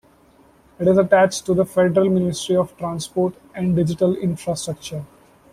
It is attached to the Federal Ministry of Transport and Digital Infrastructure.